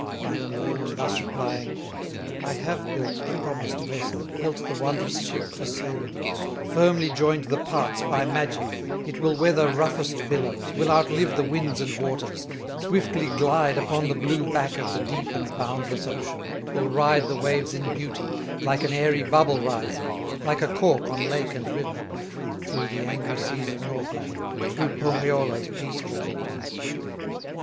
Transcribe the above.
Wainamoinen thus replying: "I have built the promised vessel, Built the wondrous ship for sailing, Firmly joined the parts by magic; It will weather roughest billows, Will outlive the winds and waters, Swiftly glide upon the blue back Of the deep and boundless ocean; It will ride the waves in beauty, Like an airy bubble rising, Like a cork on lake and river, Through the angry seas of Northland, Through Pohyola's peaceful waters."